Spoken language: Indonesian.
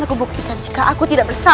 dan akan kubuktikan jika aku tidak bersalah